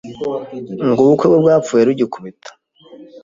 ngo ubukwe bwe bwapfuye rugikubita